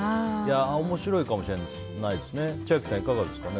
面白いかもしれないですね。